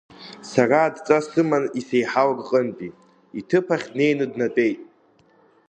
Сара адҵа сыман исеиҳау рҟынтәи, иҭыԥ ахь днеины днатәеит.